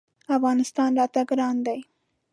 افغانستان راته ګران دی.